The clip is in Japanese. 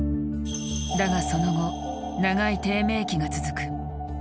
だがその後長い低迷期が続く。